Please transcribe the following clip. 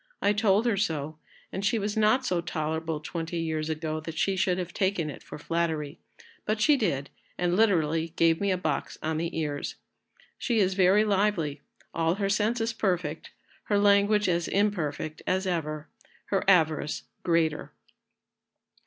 I told her so, and she was not so tolerable twenty years ago that she should have taken it for flattery, but she did, and literally gave me a box on the ears. She is very lively, all her senses perfect, her language as imperfect as ever, her avarice greater."